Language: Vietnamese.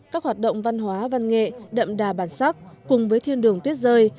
các hoạt động văn hóa văn nghệ đậm đà bản sắc cùng với thiên đường tuyết rơi